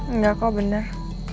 enggak kok bener